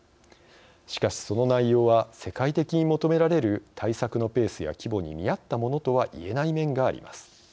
しかしその内容は世界的に求められる対策のペースや規模に見合ったものとは言えない面があります。